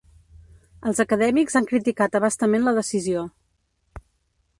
Els acadèmics han criticat abastament la decisió.